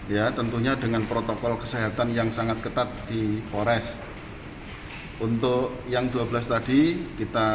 ya tentunya dengan protokol kesehatan yang sangat ketat di polres untuk yang dua belas tadi kita